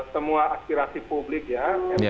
semua aspirasi publik ya